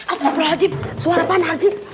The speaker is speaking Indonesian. astagfirullahaladzim suara pak narji